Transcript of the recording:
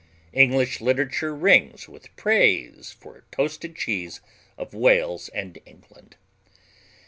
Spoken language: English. English literature rings with praise for the toasted cheese of Wales and England.